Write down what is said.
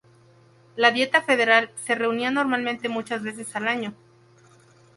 La Dieta federal se reunía normalmente muchas veces al año.